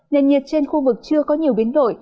nền nhiệt trên khu vực chưa có nhiều biến đổi